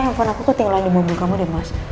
telepon aku ketinggalan di mobil kamu ya mas